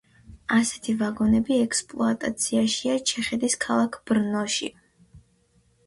ასეთი ვაგონები ექსპლუატაციაშია ჩეხეთის ქალაქ ბრნოში.